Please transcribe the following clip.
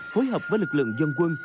hối hợp với lực lượng dân quân